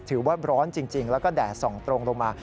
ถือว่าร้อนจริงแล้วก็แดดส่องตรงลงมา